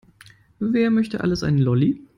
Wer möchte alles einen Lolli?